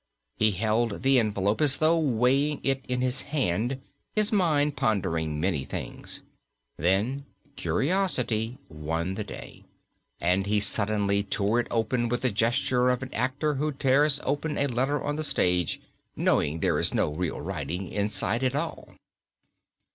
He held the envelope as though weighing it in his hand, his mind pondering many things. Then curiosity won the day, and he suddenly tore it open with the gesture of an actor who tears open a letter on the stage, knowing there is no real writing inside at all.